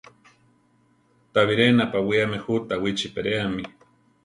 Ta biré napawiáme jú Tawichi peréami.